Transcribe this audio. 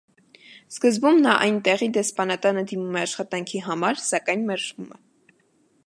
Սկզբում նա այնտեղի դեսպանատանը դիմում է աշխատանքի համար, սակայն մերժվում է։